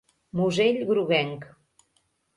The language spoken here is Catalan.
Musell groguenc.